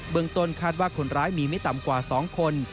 เมืองต้นคาดว่าคนร้ายมีไม่ต่ำกว่า๒คน